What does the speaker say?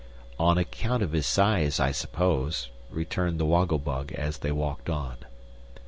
"On account of his size, I suppose," returned the Woggle Bug, as they walked on.